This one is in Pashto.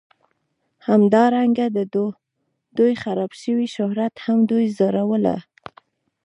همدارنګه د دوی خراب شوي شهرت هم دوی ځورول